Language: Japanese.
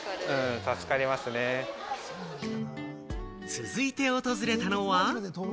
続いて訪れたのは。